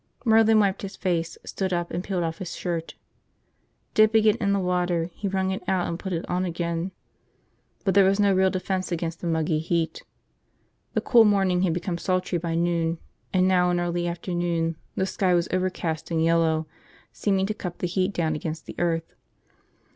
Merlin wiped his face, stood up, and peeled off his shirt. Dipping it in the water, he wrung it out and put it on again. But there was no real defense against the muggy heat. The cool morning had become sultry by noon, and now in early afternoon the sky was overcast and yellow, seeming to cup the heat down against the earth.